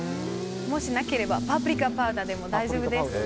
もしなければパプリカパウダーでも大丈夫です。